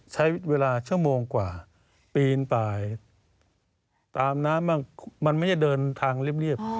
ใช้เวลาชั่วโมงกว่าปีนไปตามน้ำบ้างมันไม่ได้เดินทางเรียบ